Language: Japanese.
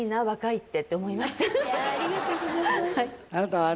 はい。